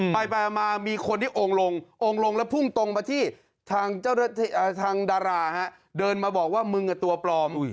ไปมามีคนที่องค์ลงองค์ลงแล้วพุ่งตรงมาที่ทางดาราเดินมาบอกว่ามึงตัวปลอม